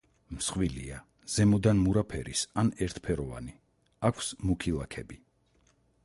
მსხვილია, ზემოდან მურა ფერის ან ერთფეროვანი, აქვს მუქი ლაქები.